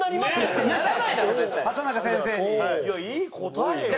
いやいい答えよ？